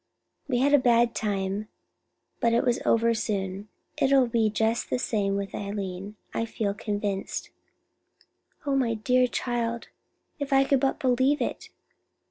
We had a bad time, but it was over soon. It will be just the same with Eileen, I feel convinced." "Oh, my dear child, if I could but believe it.